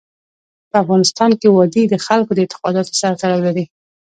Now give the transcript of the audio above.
په افغانستان کې وادي د خلکو د اعتقاداتو سره تړاو لري.